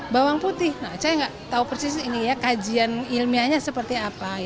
bawang putih saya nggak tahu persis ini ya kajian ilmiahnya seperti apa